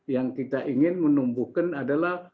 yang kita ingin menumbuhkan adalah